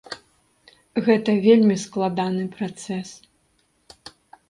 Гэта вельмі складаны працэс.